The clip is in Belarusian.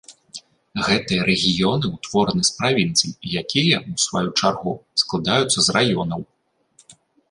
Гэтыя рэгіёны ўтвораны з правінцый, якія, у сваю чаргу, складаюцца з раёнаў.